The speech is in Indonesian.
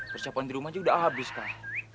persiapan di rumah juga sudah habis kang